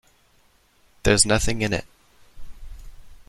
There's nothing in it.